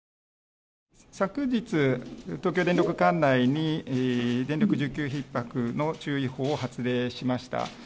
昨日、東京電力管内に電力需給ひっ迫の注意報を発令しました。